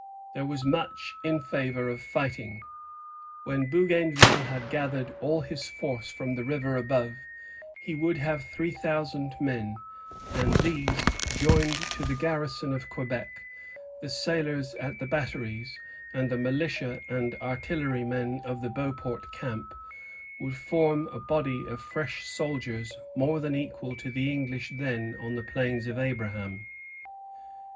There was much in favor of fighting. When Bougainville had gathered all his force from the river above, he would have three thousand men; and these, joined to the garrison of Quebec, the sailors at the batteries, and the militia and artillerymen of the Beauport camp, would form a body of fresh soldiers more than equal to the English then on the Plains of Abraham.